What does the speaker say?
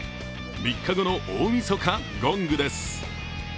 ３日後の大みそか、ゴングです。